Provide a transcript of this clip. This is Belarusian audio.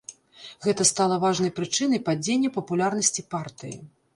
Гэта стала важнай прычынай падзення папулярнасці партыі.